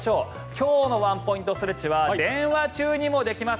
今日のワンポイントストレッチは電話中にもできます